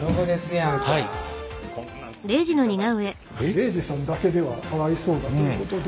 礼二さんだけではかわいそうだということで。